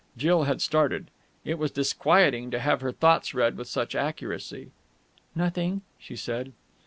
Jill had started. It was disquieting to have her thoughts read with such accuracy. "Nothing," she said.